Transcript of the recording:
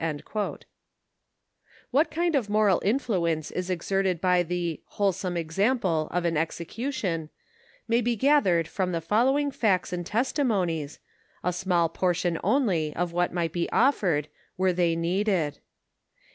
"* What kind of moral influence is exerted by the '* wholesome example" of an execution, may be gathered from the following facts and testimonies, a small portion only of what might be offered were they needed.